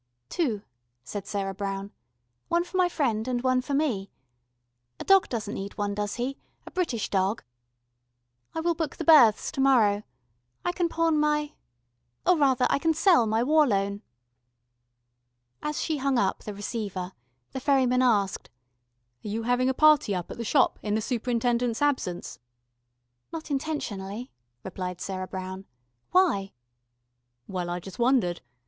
"Two," said Sarah Brown. "One for my friend and one for me. A dog doesn't need one, does he a British dog? I will book the berths to morrow. I can pawn my or rather, I can sell my War Loan." As she hung up the receiver, the ferryman asked: "Are you having a party up at the Shop, in the superintendent's absence?" "Not intentionally," replied Sarah Brown. "Why?" "Well, I just wondered.